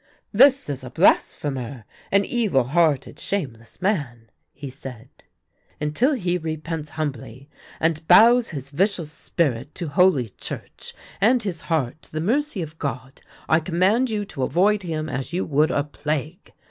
" This is a blasphemer, an evil hearted, shameless man," he said. " Until he repents humbly, and bows his vicious spirit to holy Church, and his heart to the mercy of God, I command you to avoid him as you would a plague.